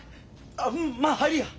あっまあ入りや。